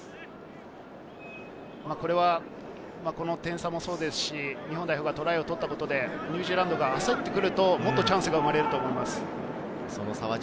この点差もそうですし、日本代表がトライを取ったことでニュージーランドが焦ってくるともっとチャンスが生まれると思います。